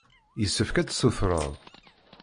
Yessefk ad ssutreɣ.